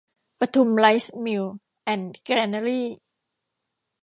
ปทุมไรซมิล แอนด์ แกรนารี